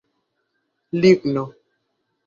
ligno